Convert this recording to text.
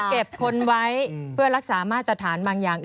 คนไว้เพื่อรักษามาตรฐานบางอย่าง